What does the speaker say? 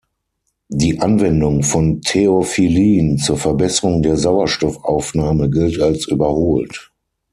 Die Anwendung von Theophyllin zur Verbesserung der Sauerstoffaufnahme gilt als überholt.